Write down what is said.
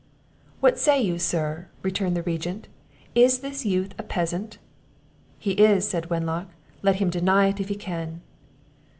"What say you, sir!" returned the Regent; "is this youth a peasant?" "He is," said Wenlock; "let him deny it if he can."